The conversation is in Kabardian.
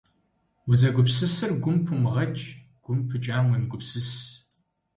Узэгупсысыр гум пумыгъэкӏ, гум пыкӏам уемыгупсыс.